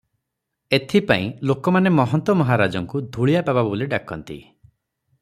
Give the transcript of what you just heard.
ଏଥିପାଇଁ ଲୋକମାନେ ମହନ୍ତ ମହାରାଜାଙ୍କୁ ଧୂଳିଆ ବାବା ବୋଲି ଡାକନ୍ତି ।